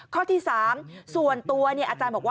ข้อที่๓ส่วนตัวอาจารย์บอกว่า